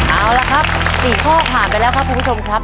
เอาละครับ๔ข้อผ่านไปแล้วครับคุณผู้ชมครับ